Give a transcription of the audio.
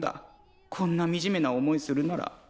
こんなみじめな思いするなら。